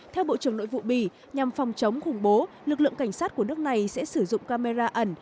theo bộ trưởng nội vụ bỉ nhằm phòng chống khủng bố lực lượng cảnh sát của nước này sẽ sử dụng camera ẩn